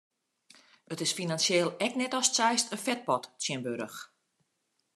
It is finansjeel ek net datst seist in fetpot tsjinwurdich.